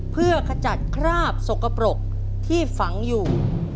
เพื่อขจัดคราบสกปรกที่ฝังอยู่